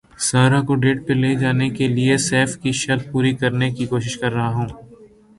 سارہ کو ڈیٹ پر لے جانے کیلئے سیف کی شرط پوری کرنے کی کوشش کررہا ہوں